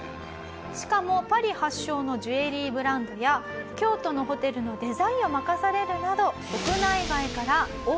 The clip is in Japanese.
しかもパリ発祥のジュエリーブランドや京都のホテルのデザインを任されるなど。